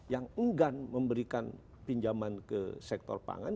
yang enggan memberikan pinjaman ke sektor pangan